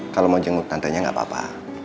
kalau mau jenguk tantanya nggak apa apa